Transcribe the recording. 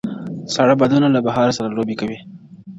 ساړه بادونه له بهاره سره لوبي کوي-